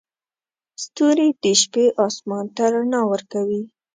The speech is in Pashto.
ستوري د شپې اسمان ته رڼا ورکوي.